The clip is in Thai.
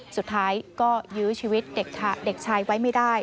สุดท้ายก็ยื้อชีวิตเด็กชายไว้ไม่ได้